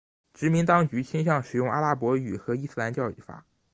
殖民当局倾向使用阿拉伯语和伊斯兰教法。